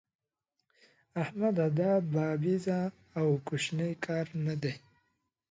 احمده! دا بابېزه او کوشنی کار نه دی.